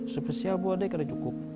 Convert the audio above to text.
spesial buat dia tidak cukup